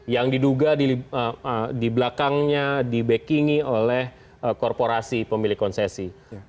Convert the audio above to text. yang diduga di belakangnya di backinggi oleh korporasi pemilik konsesi